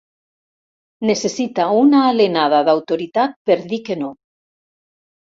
Necessita una alenada d'autoritat per dir que no.